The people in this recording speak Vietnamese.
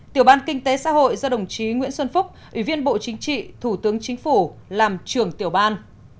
tiểu ban kinh tế xã hội do đồng chí nguyễn xuân phúc ủy viên bộ chính trị thủ tướng chính phủ làm trưởng tiểu ban